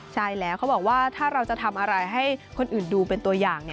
ใช่แล้วเขาบอกว่าถ้าเราจะทำอะไรให้คนอื่นดูเป็นตัวอย่าง